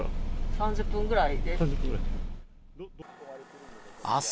３０分ぐらいです。